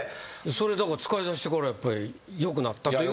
それ使いだしてからやっぱりよくなったというか。